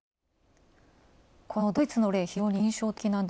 このドイツの例、非常に印象的。